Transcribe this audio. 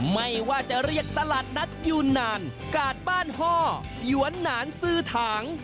ไม่ว่าจะเรียกตลาดนัดยูนานกาดบ้านห้อยวนหนานซื้อถัง